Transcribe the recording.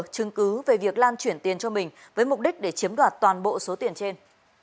chứng cứ về việc lan chuyển tiền cho mình với mục đích để chiếm đoạt toàn bộ số tiền trên